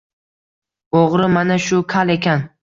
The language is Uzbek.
O‘g‘ri mana shu kal ekan